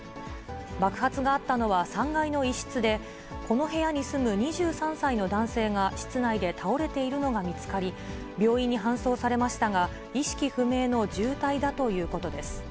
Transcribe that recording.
爆発があったのは３階の一室で、この部屋に住む２３歳の男性が室内で倒れているのが見つかり、病院に搬送されましたが、意識不明の重体だということです。